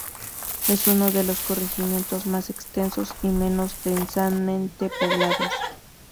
Es uno de los corregimientos más extensos y menos densamente poblados.